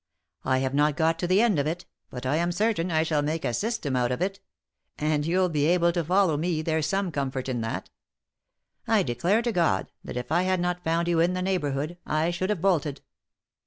I have not got to the end of it, but I am certain I shall make a system out of it — and you'll be able to follow me, there's some comfort in that. I declare to God, that if I had not found you in the neighbourhood, I should have bolted.